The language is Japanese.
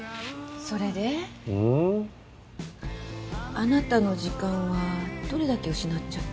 あなたの時間はどれだけ失っちゃったの？